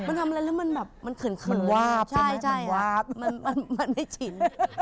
มันทำอะไรแล้วมันแบบมันเขินวาบวาบมันไม่ชิน